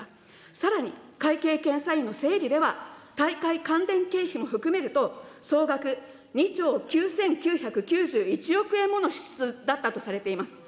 さらに会計検査院の整理では、大会関連経費も含めると、総額２兆９９９１億円もの支出だったとされています。